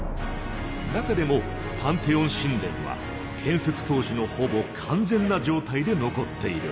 中でもパンテオン神殿は建設当時のほぼ完全な状態で残っている。